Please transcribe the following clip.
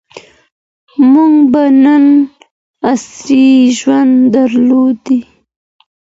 موږ به نن عصري ژوند درلودای.